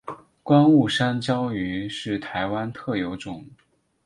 观雾山椒鱼是台湾特有种。